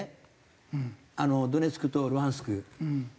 ドネツクとルハンシク。